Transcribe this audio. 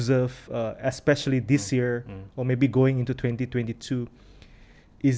terutama tahun ini atau mungkin dalam dua ribu dua puluh dua